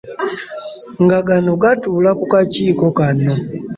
Nga gano gatuula ku kakiiko kano